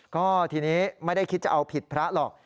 ก็ทีนี้ไม่ได้คิดจะเอาผิดพระหรอก